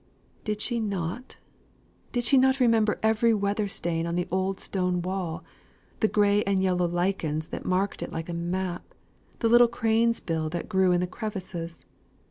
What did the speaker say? Did she not? Did she not remember every weather stain on the old stone wall; the gray and yellow lichens that marked it like a map; the little crane's bill that grew in the crevices?